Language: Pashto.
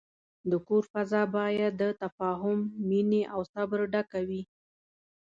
د کور فضا باید د تفاهم، مینې، او صبر ډکه وي.